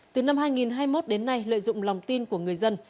từ năm hai nghìn hai mươi một đến nay lợi dụng lòng tin của người dân